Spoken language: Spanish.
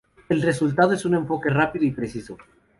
El resultado es un enfoque rápido y preciso.